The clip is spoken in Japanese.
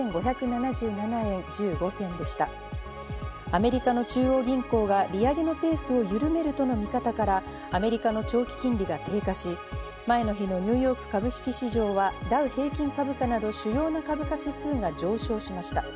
アメリカの中央銀行が利上げのペースを緩めるとの見方からアメリカの長期金利が低下し、前の日のニューヨーク株式市場はダウ平均株価など主要な株価指数が上昇しました。